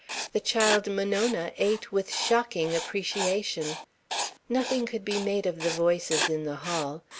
The child Monona ate with shocking appreciation. Nothing could be made of the voices in the hall.